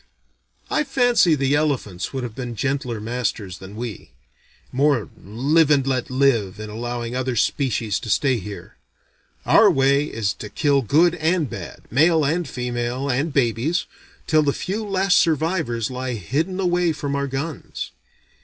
I fancy the elephants would have been gentler masters than we: more live and let live in allowing other species to stay here. Our way is to kill good and bad, male and female and babies, till the few last survivors lie hidden away from our guns.